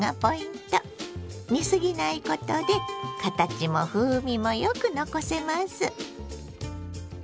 煮すぎないことで形も風味もよく残せます。